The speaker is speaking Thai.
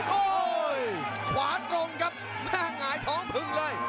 โอ้วขวาตรงครับเครื่องหน้าหงายท้องผึ้งเลย